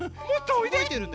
もっとおいで。